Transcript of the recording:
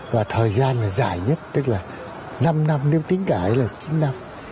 và thời gian là dài nhất tức là năm năm nếu tính cả là chín năm